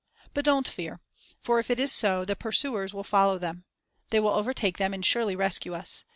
But don't fear for if it is so, then pursuers will follow them. They will overtake them and surely rescue us.